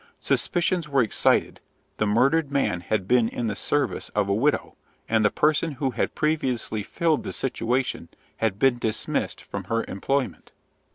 Suspicions were excited: the murdered man had been in the service of a widow, and the person who had previously filled the situation had been dismissed from her employment.